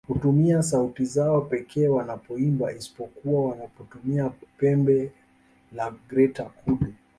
Hutumia sauti zao pekee wanapoimba isipokuwa wanapotumia pembe la Greater Kudu